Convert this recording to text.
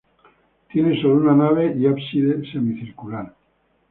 Tiene sólo una nave y ábside semicircular.